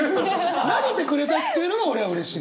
投げてくれたっていうのが俺はうれしい。